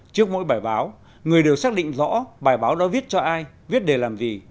trước mỗi bài báo người đều xác định rõ bài báo đã viết cho ai viết để làm gì